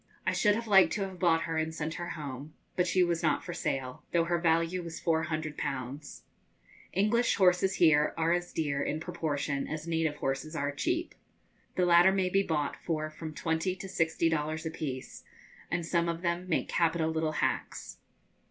I should have liked to have bought her and sent her home, but she was not for sale, though her value was 400_l_. English horses here are as dear, in proportion, as native horses are cheap. The latter may be bought for from twenty to sixty dollars apiece; and some of them make capital little hacks.